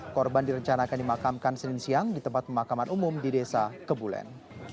korban direncanakan dimakamkan senin siang di tempat pemakaman umum di desa kebulen